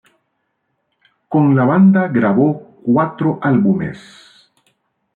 Con la banda grabó cuatro álbumes.